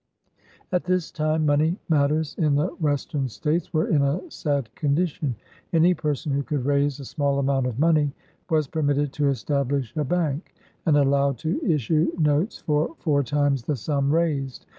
" At this time, money matters in the Western States were in a sad condition. Any person who could raise a small amount of money was permitted to establish a bank, and allowed to issue notes for four times the sum raised.